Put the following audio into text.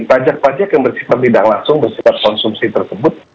pajak pajak yang bersifat tidak langsung bersifat konsumsi tersebut